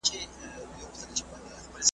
د صبر کاسه درنه ده `